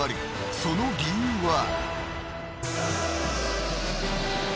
［その理由は］